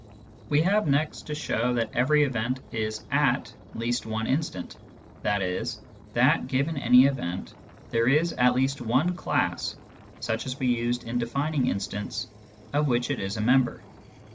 We have next to show that every event is " at " at least one instant, i.e. that, given any event, there is at least one class, such as we used in defining instants, of which it is a member.